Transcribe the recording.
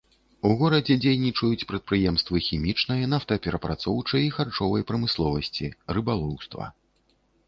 У горадзе дзейнічаюць прадпрыемствы хімічнай, нафтаперапрацоўчай і харчовай прамысловасці, рыбалоўства.